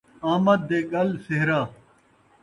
آمد دے ڳل سہرا